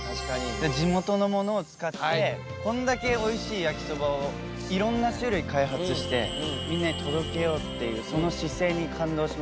地元のものを使ってこんだけおいしい焼きそばをいろんな種類開発してみんなに届けようっていうその姿勢に感動しましたね。